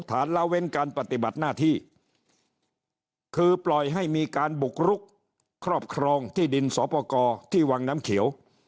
ละเว้นการปฏิบัติหน้าที่คือปล่อยให้มีการบุกรุกครอบครองที่ดินสอปกรที่วังน้ำเขียว